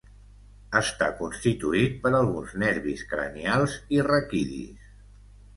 Està constituït per alguns nervis cranials i raquidis.